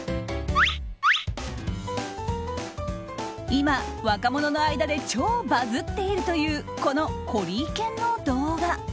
今、若者の間で超バズっているというこのコリー犬の動画。